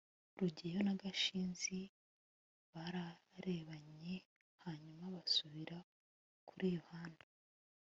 rugeyo na gashinzi bararebanye hanyuma basubira kuri yohana